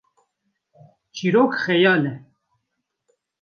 çîrok xeyal e